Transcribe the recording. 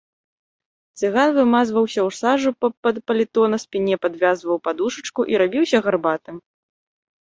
Цыган вымазваўся ў сажу, пад паліто на спіне падвязваў падушачку і рабіўся гарбатым.